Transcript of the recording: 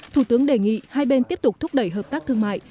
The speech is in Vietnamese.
thủ tướng đề nghị hai bên tiếp tục thúc đẩy hợp tác thương mại